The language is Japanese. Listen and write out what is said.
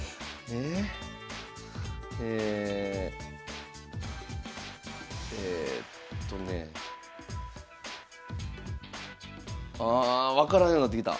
ええっとねあ分からんようなってきた。